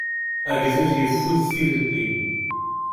Agdud yeffud tilelli.